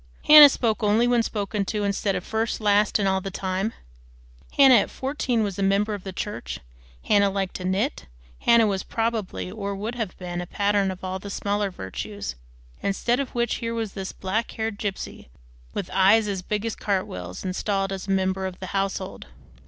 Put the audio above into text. Hannah spoke only when spoken to, instead of first, last, and all the time; Hannah at fourteen was a member of the church; Hannah liked to knit; Hannah was, probably, or would have been, a pattern of all the smaller virtues; instead of which here was this black haired gypsy, with eyes as big as cartwheels, installed as a member of the household.